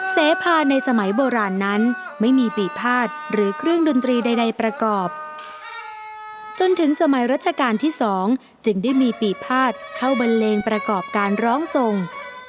เสพาในสมัยโบราณนั้นไม่มีปีภาษณหรือเครื่องดนตรีใดประกอบจนถึงสมัยรัชกาลที่๒จึงได้มีปีภาษเข้าบันเลงประกอบการร้องทรง